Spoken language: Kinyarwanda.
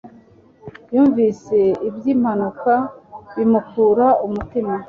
Yumvise iby'impanuka bimukura umutima